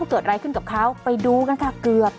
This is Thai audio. เกิดอะไรขึ้นกับเขาไปดูกันค่ะเกือบ